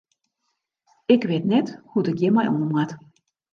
Ik wit net hoe't ik hjir mei oan moat.